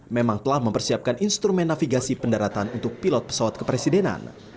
memang telah mempersiapkan instrumen navigasi pendaratan untuk pilot pesawat kepresidenan